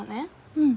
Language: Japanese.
うん。